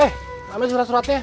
doi ambil surat suratnya